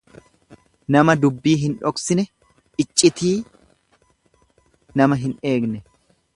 Nama dubbii hin dhoksine, lccitii nama hin eegne.